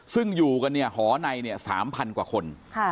ซึ่งอยู่กันเนี่ยหอในเนี่ย๓๐๐กว่าคน